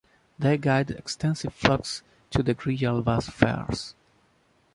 They guided extensive flocks to the Grijalba’s fairs.